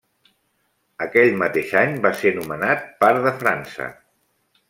Aquell mateix any va ser nomenat par de França.